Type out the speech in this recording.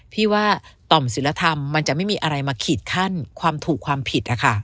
พี่ว่าต่อมศิลธรรมมันจะไม่มีอะไรมาขีดขั้นความถูกความผิด